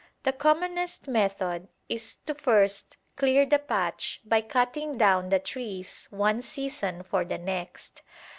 The commonest method is to first clear the patch by cutting down the trees one season for the next.